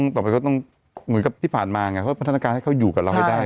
ต่อไปก็ต้องเหมือนกับที่ผ่านมาไงเพราะพัฒนาการให้เขาอยู่กับเราให้ได้